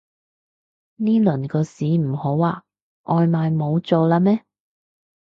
呢輪個市唔好啊？外賣冇做喇咩